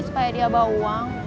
supaya dia bawa uang